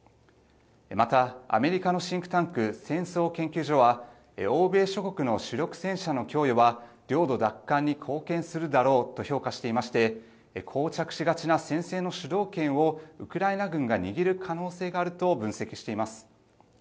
また、アメリカのシンクタンク戦争研究所は欧米諸国の主力戦車の供与は領土奪還に貢献するだろうと評価していましてこう着しがちな戦線の主導権をウクライナ軍が握る可能性があると分析しています。